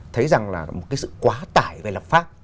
thấy rằng là một cái sự quá tải về lập pháp